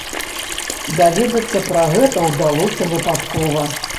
Даведацца пра гэта ўдалося выпадкова.